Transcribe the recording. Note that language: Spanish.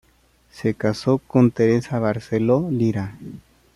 Se casó con Teresa Barceló Lira.